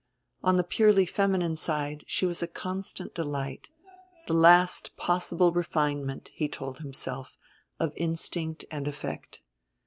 On the purely feminine side she was a constant delight, the last possible refinement, he told himself, of instinct and effect.